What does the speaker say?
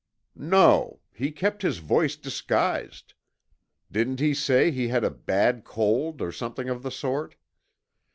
"No. He kept his voice disguised. Didn't he say he had a bad cold or something of the sort?